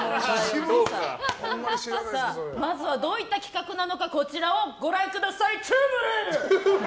まずはどういった企画なのかこちらをご覧ください。